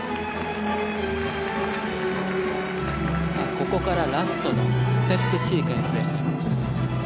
ここからラストのステップシークエンスです。